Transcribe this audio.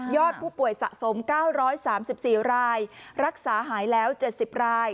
อดผู้ป่วยสะสม๙๓๔รายรักษาหายแล้ว๗๐ราย